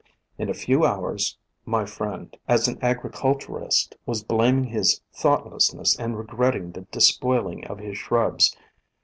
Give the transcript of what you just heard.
In a few hours, my friend, as an agriculturist, was blaming his thoughtlessness and regretting the despoiling of his shrubs.